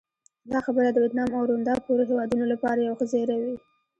دا خبره د ویتنام او روندا پورې هېوادونو لپاره یو ښه زېری وي.